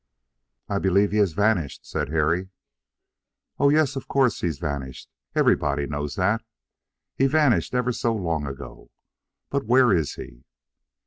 "I believe he has vanished," said Harry. "Oh yes, of course he's vanished. Everybody knows that he vanished ever so long ago; but where is he?"